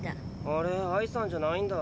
あれアイさんじゃないんだ。